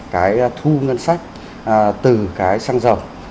cái thu ngân sách từ cái xăng dầu